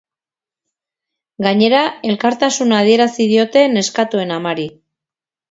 Gainera, elkartasuna adierazi diote neskatoen amari.